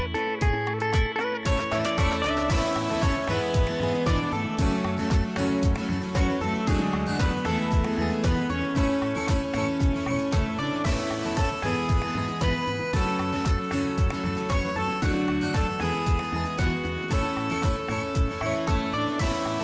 โปรดติดตามสภาพประกาศ